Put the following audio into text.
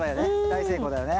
大成功だよね。